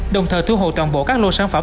đồng thời thu hồi toàn bộ các lô sản phẩm